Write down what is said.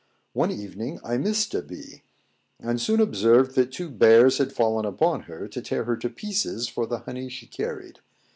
One evening I missed a bee, and soon observed that two bears had fallen upon her to tear her to pieces for the honey she carried.